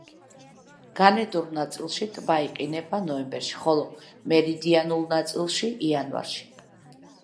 განედურ ნაწილში ტბა იყინება ნოემბერში, ხოლო მერიდიანულ ნაწილში იანვარში.